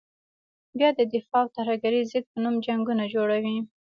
بیا د دفاع او ترهګرې ضد په نوم جنګونه جوړوي.